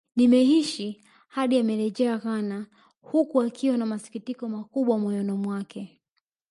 Nimeishi hadi amerejea Ghana huku akiwa na masikitiko makubwa moyono mwake